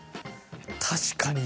確かに。